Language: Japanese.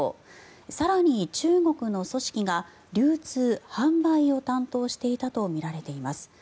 更に中国の組織が流通・販売を担当していたとみられています。